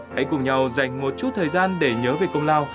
hãy cùng nhau dành một chút thời gian để nhớ về công lao